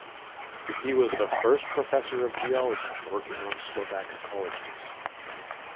He was the first professor of geology working on Slovak colleges.